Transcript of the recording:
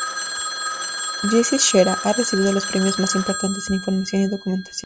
Jesse Shera ha recibido los premios más importantes en Información y Documentación.